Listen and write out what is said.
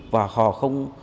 và họ không